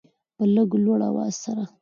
په لږ لوړ اواز سره